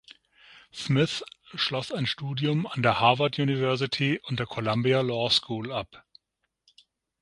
Smith schloss ein Studium an der Harvard University und der Columbia Law School ab.